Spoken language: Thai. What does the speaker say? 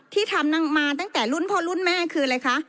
ที่ทำมาตั้งแต่รุ่นพ่อรุ่นแม่คืออะไรคะ